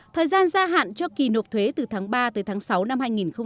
thời gian gia hạn cho kỳ nộp thuế từ tháng ba tới tháng sáu năm hai nghìn hai mươi